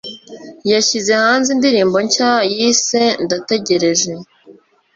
yashyize hanze indirimbo nshya yise 'ndategereje